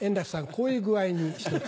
こういう具合にひとつ。